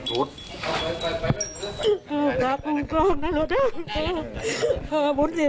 ถ้าหนูทำแบบนั้นพ่อจะไม่มีรับบายเจ้าให้หนูได้เอง